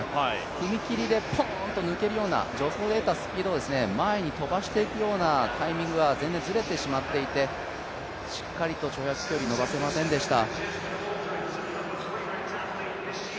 踏み切りでポンと抜けるような助走で得たスピードを前に飛ばしていくようなタイミングが全然ずれてしまっていて、しっかりと跳躍距離伸ばせませんでした。